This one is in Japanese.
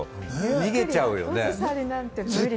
逃げちゃうよね。